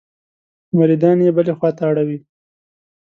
مریدان یې بلې خوا ته اړوي.